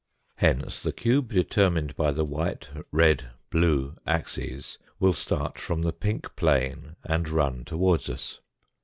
Hence, the cube determined by the white, red, blue axes, will start from the pink plane and run towards us.